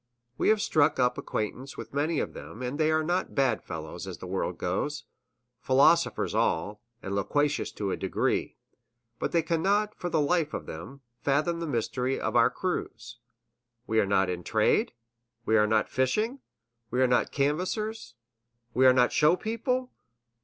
We have struck up acquaintance with many of them, and they are not bad fellows, as the world goes. Philosophers all, and loquacious to a degree. But they cannot, for the life of them, fathom the mystery of our cruise. We are not in trade? we are not fishing? we are not canvassers? we are not show people?